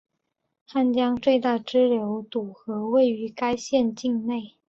汉江最大支流堵河位于该县境内。